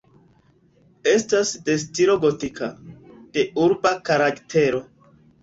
Estas de stilo gotiko, de urba karaktero.